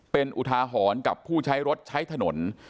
เป็นอุทาหรณ์กับผู้ใช้รถใช้ถนน